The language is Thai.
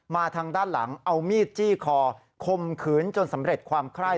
ทางด้านหลังเอามีดจี้คอคมขืนจนสำเร็จความไคร้